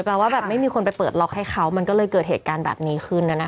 ว่าแบบไม่มีคนไปเปิดล็อกให้เขามันก็เลยเกิดเหตุการณ์แบบนี้ขึ้น